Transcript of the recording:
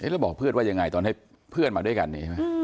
แล้วบอกเพื่อนว่ายังไงตอนให้เพื่อนมาด้วยกัน